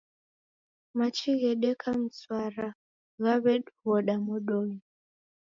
Machi ghedeka mswara ghaw'edoghoda modonyi.